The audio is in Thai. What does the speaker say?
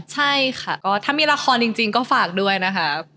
ใช่ค่ะก็ถ้ามีละครจริงก็ฝากด้วยนะครับ